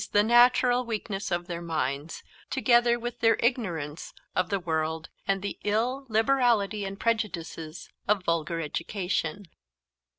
the natural weakness of their minds, together with their ignorance of the world and the illiberality and prejudices of a vulgar education.